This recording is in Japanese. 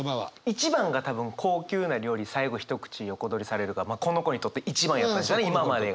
一番が多分「高級な料理最後ひと口横取りされる」がこの子にとって一番やった今までが。